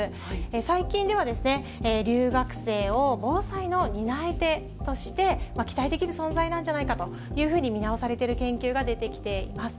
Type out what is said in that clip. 最近では留学生を防災の担い手として期待できる存在なんじゃないかというふうに見直されてる研究が出てきています。